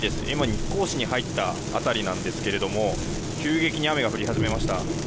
日光市に入った辺りなんですが急激に雨が降り始めました。